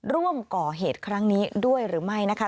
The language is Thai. ร่วมก่อเหตุครั้งนี้ด้วยหรือไม่นะคะ